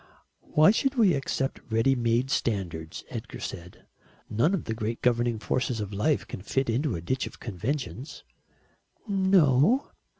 "Why should we accept ready made standards?" Edgar said. "None of the great governing forces of life can fit into a ditch of conventions." "No."